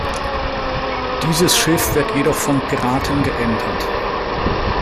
Dieses Schiff wird jedoch von Piraten geentert.